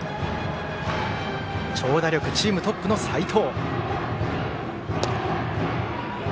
長打力、チームトップの齋藤。